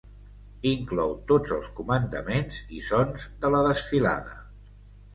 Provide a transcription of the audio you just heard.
Inclou tots els comandaments i sons de la desfilada.